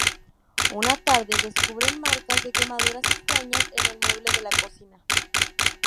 Una tarde, descubren marcas de quemaduras extrañas en el mueble de la cocina.